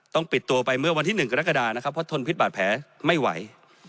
ปิดตัวไปเมื่อวันที่๑กรกฎานะครับเพราะทนพิษบาดแผลไม่ไหว